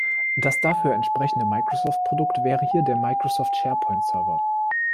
Das dafür entsprechende Microsoft-Produkt wäre hier der Microsoft-Sharepoint-Server.